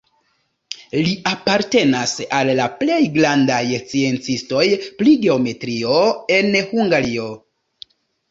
Li apartenas al la plej grandaj sciencistoj pri geometrio en Hungario.